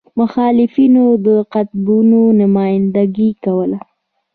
مخالفو قطبونو نمایندګي کوله.